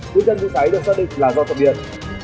nước chân bị cháy được xác định là do thập biệt